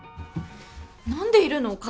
何でいるの？